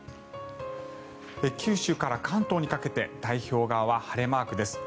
九州から関東にかけて太平洋側は晴れマークです。